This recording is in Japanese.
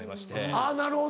あぁなるほど。